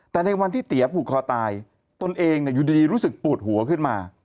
แต่ในวันที่เตี๋ยผูกคอตายตนเองอยู่ดีรู้สึกปวดหัวขึ้นมา